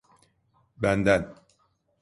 Benden.